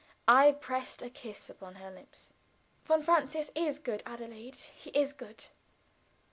I pressed a kiss upon her lips. "Von Francius is good, Adelaide; he is good."